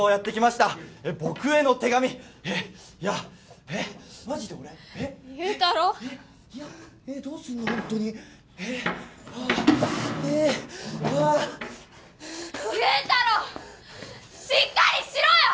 しっかりしろよ！